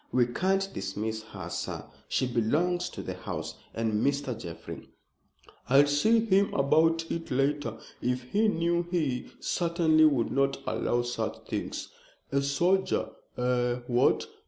"We can't dismiss her, sir. She belongs to the house, and Mr. Jeffrey" "I'll see him about it later. If he knew he certainly would not allow such things. A soldier eh what?